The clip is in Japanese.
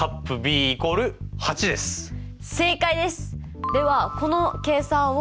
正解です！